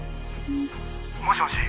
「もしもし？」